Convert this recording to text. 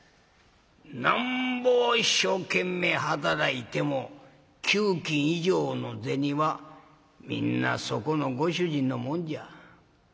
なんぼ一生懸命働いても給金以上の銭はみんなそこのご主人のもんじゃ。